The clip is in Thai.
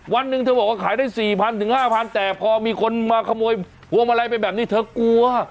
วันหนึ่งเธอบอกว่าขายได้๔๐๐๕๐๐แต่พอมีคนมาขโมยพวงมาลัยไปแบบนี้เธอกลัว